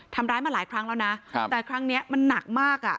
ทำร้ายมาหลายครั้งแล้วนะแต่ครั้งนี้มันหนักมากอ่ะ